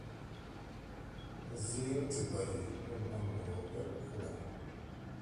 He led the most laps at Bristol, but ran out of gas.